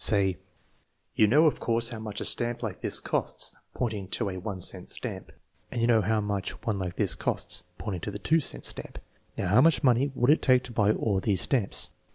Say: " You know, of course, how much a stamp like this costs (pointing to a 1 cent stamp). And you know how much one like this TEST NO. IX, ALTERNATIVE 2 253 costs (pointing to a 2 cent stamp). Now, liow much money would it take to buy all these stamps?